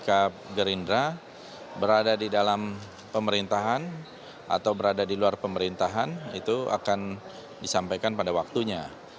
sikap gerindra berada di dalam pemerintahan atau berada di luar pemerintahan itu akan disampaikan pada waktunya